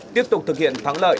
tiếp tục thực hiện thắng lợi